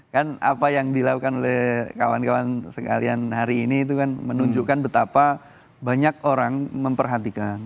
kan apa yang dilakukan oleh kawan kawan sekalian hari ini itu kan menunjukkan betapa banyak orang memperhatikan